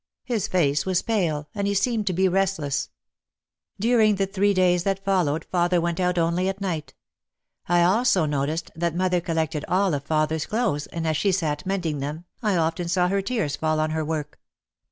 His face was pale and he seemed to be restless. During the three days that followed, father went out only at night. I also noticed that mother collected all of father's clothes, and, as she sat mending them, I often saw her tears fall on her work.